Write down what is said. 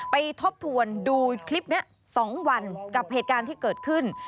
ไปทบทวนดูข้อข้อข้อนะคะ๒วันกับเหตุการณ์ที่เกิดขึ้น